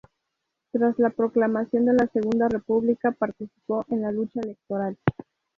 Tras la proclamación de la Segunda República, participó en la lucha electoral.